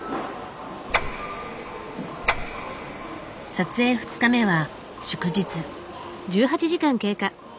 撮影２日目は祝日。